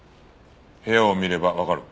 部屋を見ればわかる。